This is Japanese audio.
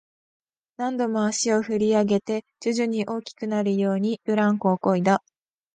何度も足を振り上げて、徐々に大きくなるように、ブランコをこいだ